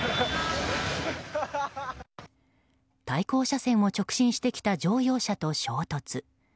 対向車線を直進してきた乗用車と衝突。